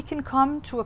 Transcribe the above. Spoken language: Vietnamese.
các công ty khác